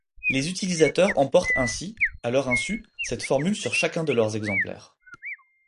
Les utilisateurs emportent ainsi, à leur insu, cette formule sur chacun de leurs exemplaires.